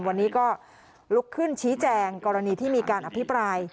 วันนี้ก็ลุกขึ้นชี้แจงกรณีที่มีการอภิปราย